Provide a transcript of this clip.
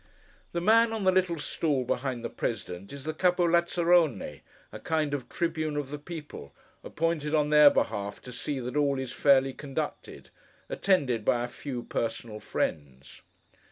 The man on the little stool behind the President, is the Capo Lazzarone, a kind of tribune of the people, appointed on their behalf to see that all is fairly conducted: attended by a few personal friends.